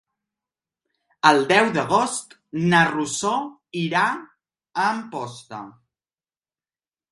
El deu d'agost na Rosó irà a Amposta.